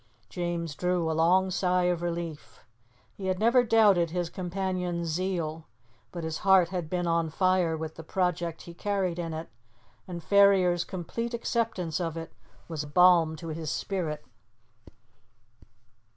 James drew a long sigh of relief. He had never doubted his companion's zeal, but his heart had been on fire with the project he carried in it, and Ferrier's complete acceptance of it was balm to his spirit.